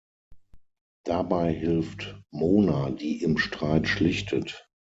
Dabei hilft Mona, die im Streit schlichtet.